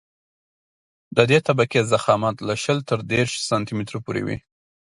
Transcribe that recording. د دې طبقې ضخامت له شل تر دېرش سانتي مترو پورې وي